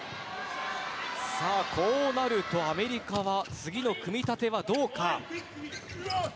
そうなるとアメリカは次の組み立てどうか。